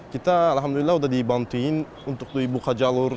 kita alhamdulillah udah dibantuin untuk dibuka jalur